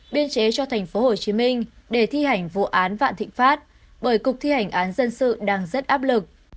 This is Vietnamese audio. biên chế cho tp hcm để thi hành vụ án vạn thịnh pháp bởi cục thi hành án dân sự đang rất áp lực